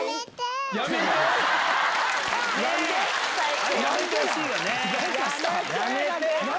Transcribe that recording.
何で⁉やめてほしいよね。